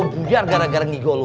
gua bujar gara gara ngigol lu